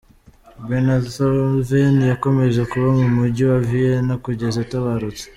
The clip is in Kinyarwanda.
Beethoven yakomeje kuba mu mujyi wa Vienna kugeza atabarutse.